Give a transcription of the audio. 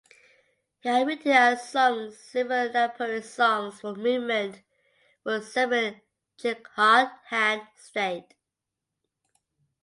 He had written and sung several Nagpuri songs for movement for separate Jharkhand state.